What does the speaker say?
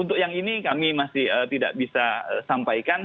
untuk yang ini kami masih tidak bisa sampaikan